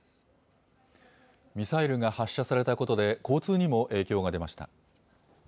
ミサイルが発射されたことで交通にも影響が出ました。